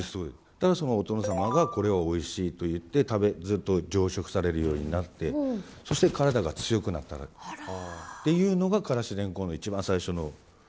だからお殿様がこれをおいしいと言ってずっと常食されるようになってそして体が強くなったっていうのがからしレンコンの一番最初の。